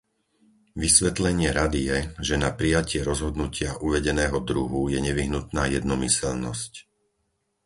Vysvetlenie Rady je, že na prijatie rozhodnutia uvedeného druhu je nevyhnutná jednomyseľnosť.